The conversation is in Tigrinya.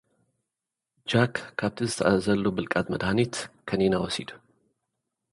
ጃክ፡ ካብቲ እተኣዘዘሉ ብልቃጥ መድሃኒት፡ ከኒና ወሲዱ።